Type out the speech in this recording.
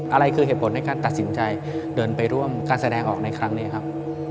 อะไรคือเหตุผลในการตัดสินใจเดินไปร่วมการแสดงออกในครั้งนี้ครับ